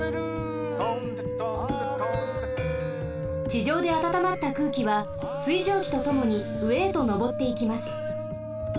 ちじょうであたたまったくうきは水蒸気とともにうえへとのぼっていきます。